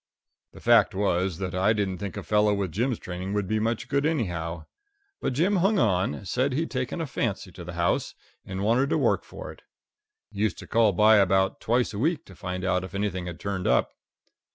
The fact was that I didn't think a fellow with Jim's training would be much good, anyhow. But Jim hung on said he'd taken a fancy to the house, and wanted to work for it. Used to call by about twice a week to find out if anything had turned up.